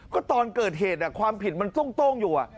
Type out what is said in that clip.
ก็ตอนเกิดเหตุความผิดมันโต้งอยู่